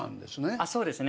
あっそうですね